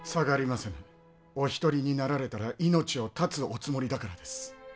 お一人になられたら命を絶つおつもりだからです。